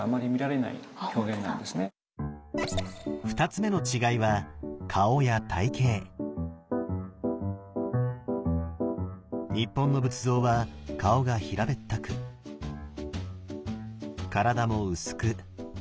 ２つ目の違いは日本の仏像は顔が平べったく体も薄くなで肩です。